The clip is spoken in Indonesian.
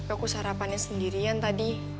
aku sarapannya sendirian tadi